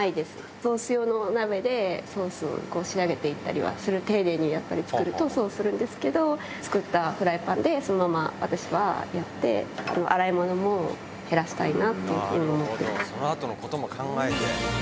ソース用の鍋でソースを仕上げていったりは、丁寧に作るとそうするんですけど、作ったフライパンで、そのまま私はやって、洗い物も減らしたいなっていうふうに思ってる。